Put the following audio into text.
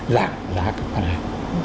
giảm giá của quán hàng